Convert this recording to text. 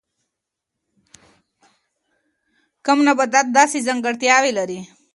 کم نباتات داسې ځانګړتیاوې لري.